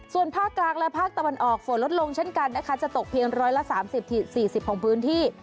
ส่วนภาคกลางและภาคตะวันออกฝนลดลงเช่นกันนะคะจะตกเพียง๑๓๐๔๐ของพื้นที่